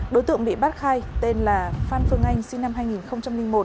đối tượng bị bắt khai tên là phan phương anh sinh năm hai nghìn một